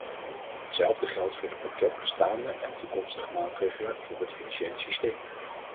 Hetzelfde geldt voor het pakket bestaande en toekomstige maatregelen voor het financiële systeem.